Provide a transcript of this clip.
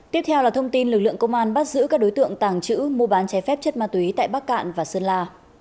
tiếp theo là thông tin lực lượng công an bắt giữ các đối tượng tàng trữ mua bán trái phép chất ma túy tại bắc cạn và sơn la